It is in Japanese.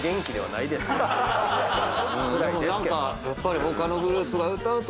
何かやっぱり。